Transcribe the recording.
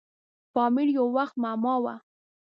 پامیر یو وخت معما وه.